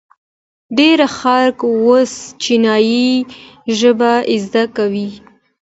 ډیر خلک اوس چینایي ژبه زده کوي.